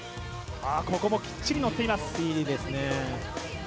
ここもきっちりのっています。